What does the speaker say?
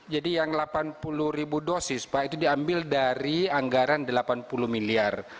jadi yang delapan puluh ribu dosis pak itu diambil dari anggaran delapan puluh miliar